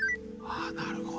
あなるほど。